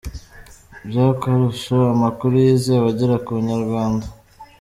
By'akarusho amakuru yizewe agera ku Inyarwanda.